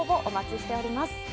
お待ちしております